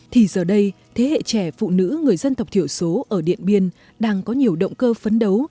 thì giờ đây thế hệ trẻ phụ nữ người dân tộc thiểu số ở điện biên đang có nhiều động cơ phấn đấu